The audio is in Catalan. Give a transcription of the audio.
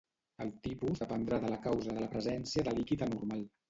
El tipus dependrà de la causa de la presència del líquid anormal.